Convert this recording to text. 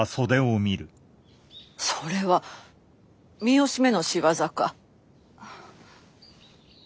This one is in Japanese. それは三好めの仕業か？